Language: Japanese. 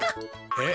えっ？